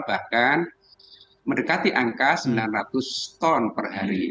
bahkan mendekati angka sembilan ratus ton per hari